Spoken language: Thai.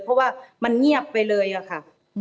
เพราะว่ามันเงียบไปเลยอะค่ะ